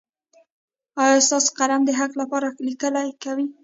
ایا ستاسو قلم د حق لپاره لیکل کوي؟